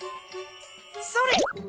それ。